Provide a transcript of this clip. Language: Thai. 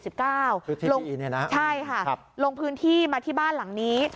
ชุดที่ที่นี่นะใช่ค่ะลงพื้นที่มาที่บ้านหลังนี้